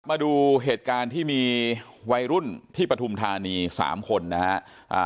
มาดูเหตุการณ์ที่มีวัยรุ่นที่ปฐุมธานีสามคนนะฮะ